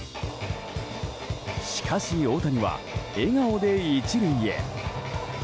しかし、大谷は笑顔で１塁へ。